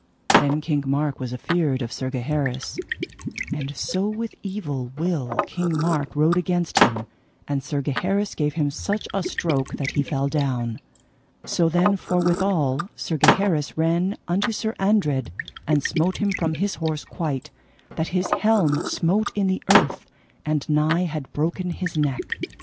Then King Mark was afeard of Sir Gaheris, and so with evil will King Mark rode against him, and Sir Gaheris gave him such a stroke that he fell down. So then forthwithal Sir Gaheris ran unto Sir Andred and smote him from his horse quite, that his helm smote in the earth, and nigh had broken his neck.